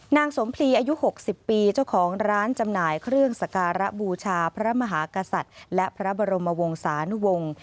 นางสมพลีอายุ๖๐ปีเจ้าของร้านจำหน่ายเครื่องสการะบูชาพระมหากษัตริย์และพระบรมวงศานุวงศ์